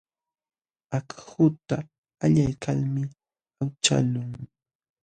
Akhuta allaykalmi awchaqlun.